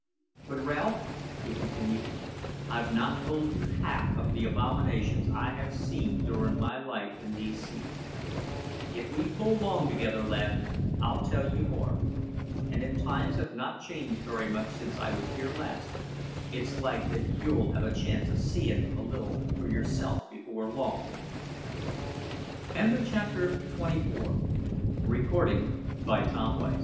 But, Ralph," he continued, "I've not told you half o' the abominations I have seen durin' my life in these seas. If we pull long together, lad, I'll tell you more; and if times have not changed very much since I was here last, it's like that you'll have a chance o' seeing a little for yourself before long."